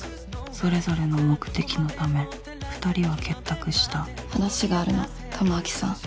それぞれの目的の為ふたりは結託した話があるの智明さん。